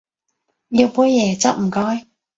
要杯椰汁唔該